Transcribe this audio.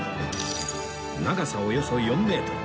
長さおよそ４メートル